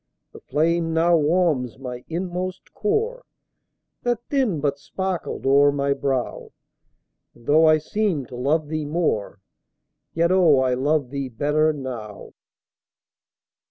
The flame now warms my inmost core, That then but sparkled o'er my brow, And, though I seemed to love thee more, Yet, oh, I love thee better now.